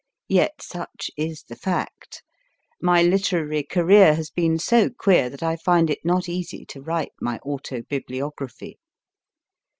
Yet such is the fact. My literary career has been so queer that I find it not easy to write my autobibliography.